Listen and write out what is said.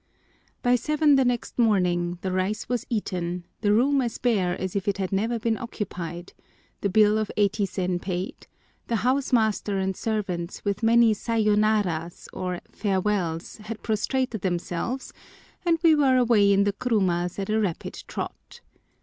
BY seven the next morning the rice was eaten, the room as bare as if it had never been occupied, the bill of 80 sen paid, the house master and servants with many sayo naras, or farewells, had prostrated themselves, and we were away in the kurumas at a rapid trot.